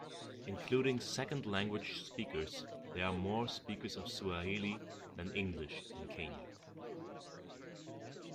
Including second-language speakers, there are more speakers of Swahili than English in Kenya.